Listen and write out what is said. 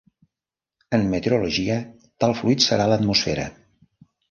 En meteorologia tal fluid serà l'atmosfera.